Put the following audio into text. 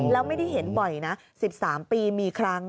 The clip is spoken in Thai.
แล้วไม่ได้เห็นบ่อยนะ๑๓ปีมีครั้ง